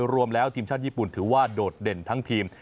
รวมแล้วทีมชาติญี่ปุ่นถือว่าโดดเด่นทั้งทีม